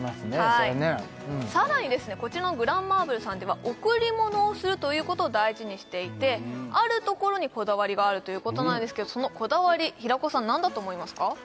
それねさらにですねこちらのグランマーブルさんでは贈り物をするということを大事にしていてあるところにこだわりがあるということなんですけどそのこだわり平子さん何だと思いますか？